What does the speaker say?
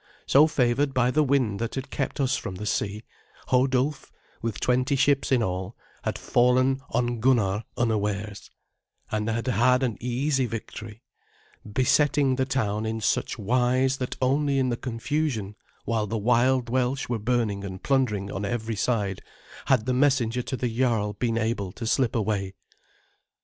So, favoured by the wind that had kept us from the sea, Hodulf, with twenty ships in all, had fallen on Gunnar unawares, and had had an easy victory, besetting the town in such wise that only in the confusion while the wild Welsh were burning and plundering on every side had the messenger to the jarl been able to slip away.